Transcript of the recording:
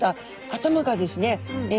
頭がですね